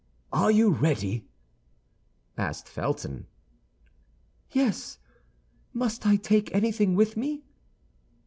"Are you ready?" asked Felton. "Yes. Must I take anything with me?"